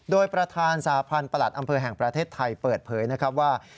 โดยประธานสาพันธ์ประหลัดอำเภอแห่งประเทศไทยเปิดเผยนะครับว่า